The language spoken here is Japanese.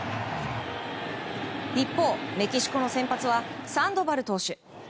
一方、メキシコの先発はサンドバル投手。